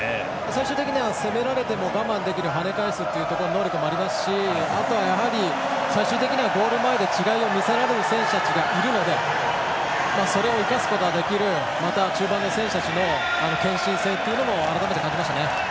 最終的には攻められても我慢できる跳ね返すという能力もありますしあとは、やはり最終的にはゴール前で違いを見せられる選手たちがいるのでそれを生かすことができる中盤の選手たちの献身性も改めて感じましたね。